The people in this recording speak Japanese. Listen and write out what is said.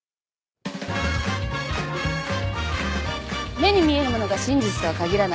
目に見えるものが真実とは限らない。